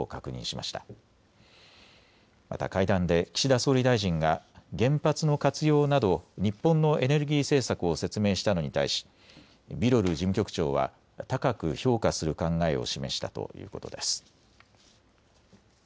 また会談で岸田総理大臣が原発の活用など日本のエネルギー政策を説明したのに対し、ビロル事務局長は高く評価する考えを示したということです。